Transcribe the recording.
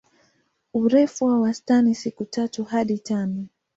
Urefu wa wastani siku tatu hadi tano.